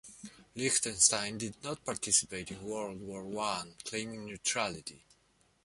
Liechtenstein did not participate in World War One, claiming neutrality.